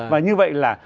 và như vậy là